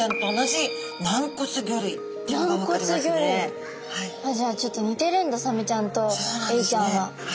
じゃあちょっと似てるんだサメちゃんとエイちゃんは。